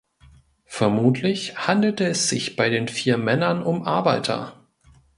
Vermutlich handelte es sich bei den vier Männern um Arbeiter.